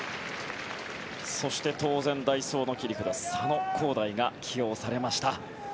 そして、当然代走の切り札、佐野皓大が起用されました。